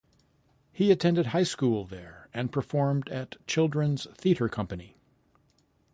He attended high school there and performed at Children's Theatre Company.